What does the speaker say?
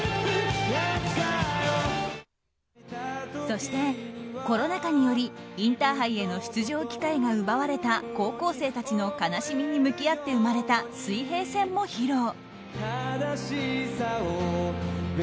そして、コロナ禍によりインターハイへの出場機会が奪われた高校生たちの悲しみに向き合って生まれた「水平線」も披露。